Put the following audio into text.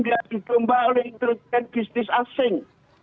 biar dibomba oleh industri bisnis asing